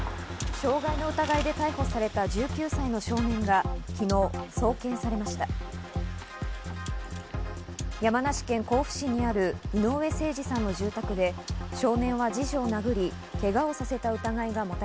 傷害の疑いで逮捕された１９歳の少年が昨日送検されました。